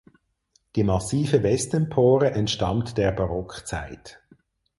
Die massive Westempore entstammt der Barockzeit.